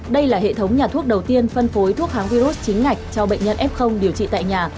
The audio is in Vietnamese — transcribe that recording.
đây là hệ thống nhà thuốc đầu tiên phân phối thuốc kháng virus chính ngạch cho bệnh nhân f điều trị tại nhà